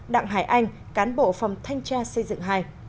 đặng hải anh cán bộ phòng thanh tra xây dựng hai